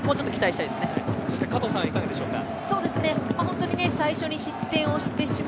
加藤さん、いかがでしょうか。